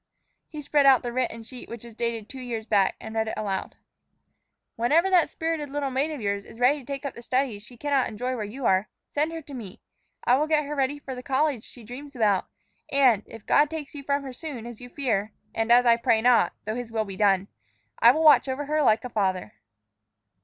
He spread out the written sheet, which was dated two years back, and read it aloud. "'Whenever that spirited little maid of yours is ready to take up the studies she cannot enjoy where you are, send her to me. I will get her ready for the college she dreams about, and, if God takes you from her soon, as you fear, and as I pray not (though His will be done!), I will watch over her like a father.'"